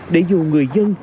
để dù người dân